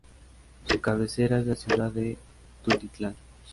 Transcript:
Su cabecera es la ciudad de Tultitlán.